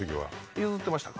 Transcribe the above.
譲ってましたか？